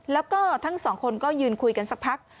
แล้วก็ทั้งสองคนก็ยืนคุยกันสักพัก